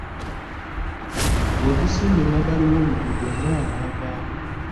Yagisimba emabbali w'oluguudo omuwala n'avaamu.